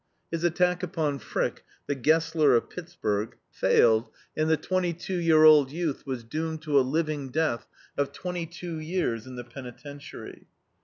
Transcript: His attack upon Frick, the Gessler of Pittsburg, failed, and the twenty two year old youth was doomed to a living death of twenty two years in the penitentiary.